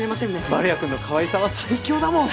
丸谷くんのかわいさは最強だもん！